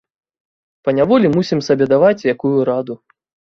Паняволі мусім сабе даваць якую раду.